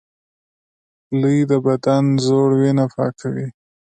پلی د بدن زوړ وینه پاکوي